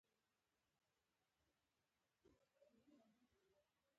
سهار د ژوند ډالۍ ده.